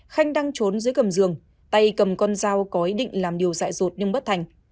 khanh đang trốn dưới cầm giường tay cầm con dao có ý định làm điều dạy rột nhưng bất thành